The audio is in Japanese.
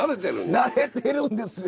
慣れてるんですよ。